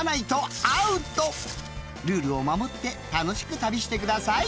［ルールを守って楽しく旅してください］